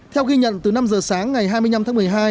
theo ghi nhận từ năm giờ sáng ngày hai mươi năm tháng một mươi hai